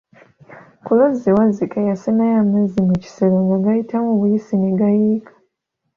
Ku luzzi Wazzike yasenayo amazzi mu kisero nga gayitamu buyisi ne gayiika.